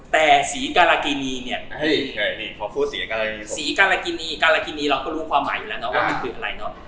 แต่สีการากินีเนี่ยสีการากินีเราก็รู้ความหมายอยู่แล้วนะว่ามันคืออะไรนะ